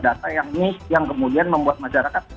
data yang misk yang kemudian membuat masyarakat